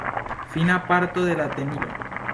Fina parto de la tenilo.